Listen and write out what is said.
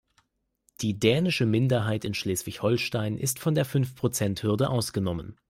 Die dänische Minderheit in Schleswig-Holstein ist von der Fünfprozenthürde ausgenommen.